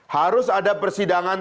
harus ada persidangan